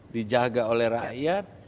dijaga oleh rakyat